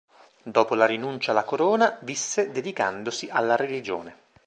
Dopo la rinuncia alla corona visse dedicandosi alla religione.